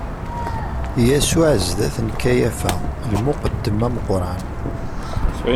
Yasuɛ zdat n Kayafa, lmuqeddem ameqqran.